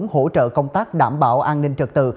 hỗ trợ công tác đảm bảo an ninh trật tự